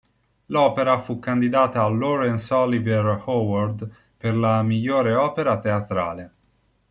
L'opera fu candidata al Laurence Olivier Award per la migliore opera teatrale.